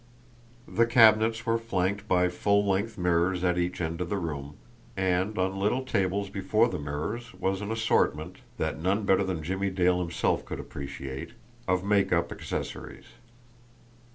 The cabinets were flanked by full length mirrors at each end of the room, and on little tables before the mirrors was an assortment, that none better than Jimmie Dale himself could appreciate, of make up accessories.